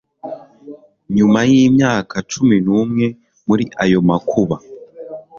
nyuma y'imyaka cumi n'umwe muri ayo makuba